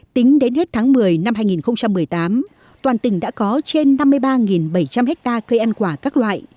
tính đến hết tháng một mươi năm hai nghìn một mươi tám toàn tỉnh đã có trên năm mươi ba bảy trăm linh hectare cây ăn quả các loại